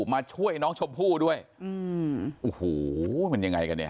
มาช่วยน้องชมพู่ด้วยอืมโอ้โหมันยังไงกันเนี่ย